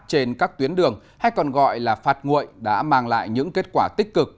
trên các tuyến đường hay còn gọi là phạt nguội đã mang lại những kết quả tích cực